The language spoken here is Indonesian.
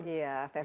iya teh telur ini